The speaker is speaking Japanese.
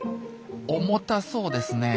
重たそうですねえ。